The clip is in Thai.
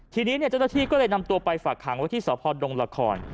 ทีนี้เจ้าตัวที่ก็เลยนำตัวไปฝากหางไว้ที่สอบพอด์ดงราคอน